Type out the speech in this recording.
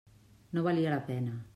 No valia la pena.